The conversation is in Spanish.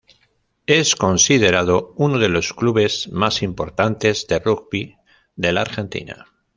Es considerado uno de los clubes más importantes de rugby de la Argentina.